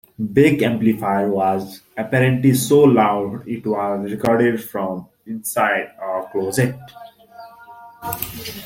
Beck's amplifier was apparently so loud, it was recorded from inside a closet.